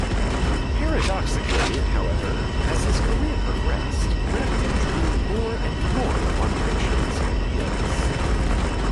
Paradoxically, however, as his career progressed Repton drew more and more on picturesque ideas.